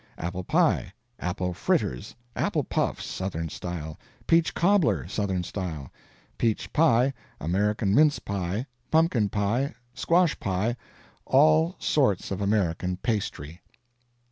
Apple pie. Apple fritters. Apple puffs, Southern style. Peach cobbler, Southern style Peach pie. American mince pie. Pumpkin pie. Squash pie. All sorts of American pastry.